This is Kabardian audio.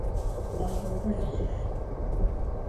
НэхъыфӀыжщ!